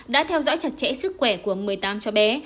đã theo dõi chặt chẽ sức khỏe của một mươi tám cháu bé